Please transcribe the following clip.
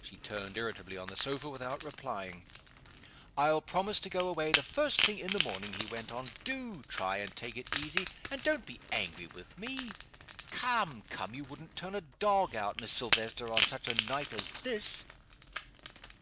She turned irritably on the sofa, without replying. "I'll promise to go away the first thing in the morning!" he went on. "Do try and take it easy and don't be angry with me. Come! come! you wouldn't turn a dog out, Miss Silvester, on such a night as this!"